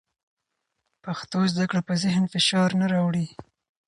پښتو زده کړه په ذهن فشار نه راوړي.